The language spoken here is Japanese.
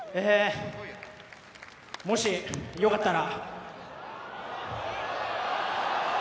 もし、良かったら。